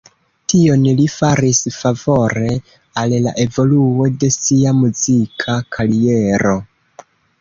Tion li faris favore al la evoluo de sia muzika kariero.